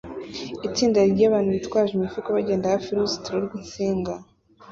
Itsinda ryabantu bitwaje imifuka bagenda hafi yuruzitiro rwinsinga